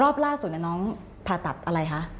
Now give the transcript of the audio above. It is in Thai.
รอบล่าสุดน้องผ่าตัดอะไรคะ